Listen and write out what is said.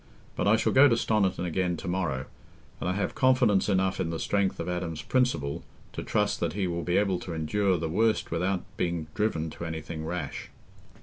But I shall go to Stoniton again to morrow, and I have confidence enough in the strength of Adam's principle to trust that he will be able to endure the worst without being driven to anything rash."